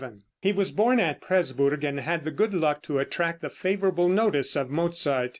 He was born at Presburg, and had the good luck to attract the favorable notice of Mozart.